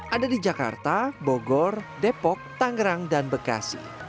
ada di jakarta bogor depok tangerang dan bekasi